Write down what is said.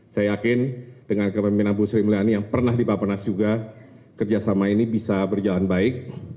saya yakin dengan kepemimpinan bu sri mulyani yang pernah di bapak nas juga kerjasama ini bisa berjalan baik